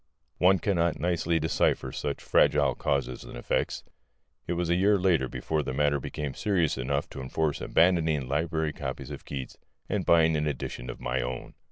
One cannot nicely decipher such fragile causes and effects. It was a year later before the matter became serious enough to enforce abandoning library copies of Keats and buying an edition of my own.